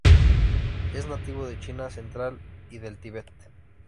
Es nativo de China central y del Tibet.